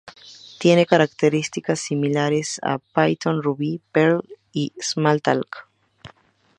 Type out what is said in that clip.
Tiene características similares a Python, Ruby, Perl y Smalltalk.